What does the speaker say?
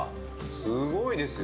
すごいですよ。